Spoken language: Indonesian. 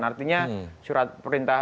artinya surat perintah